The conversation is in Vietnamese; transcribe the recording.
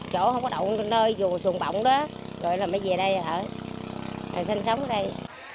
chỗ không có động nơi vừa sùng bỗng đó rồi mới về đây ở rồi sinh sống ở đây